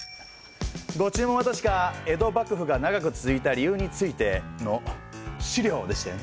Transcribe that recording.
ご注文は確か「江戸幕府が長く続いた理由について」の資料でしたよね。